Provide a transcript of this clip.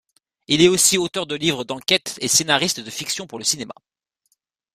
Il est aussi auteur de livres d'enquêtes et scénariste de fictions pour le cinéma.